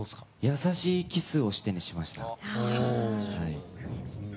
「やさしいキスをして」にしました。